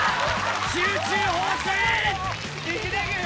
集中放水！